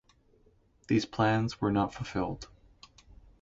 These plans were not fulfilled.